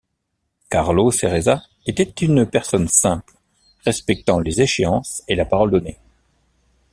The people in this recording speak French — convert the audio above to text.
Carlo Ceresa était une personne simple respectant les échéances et la parole donnée.